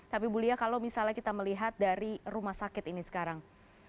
tapi bu lia kalau misalnya kita melihat dari rumah sakit ini sekarang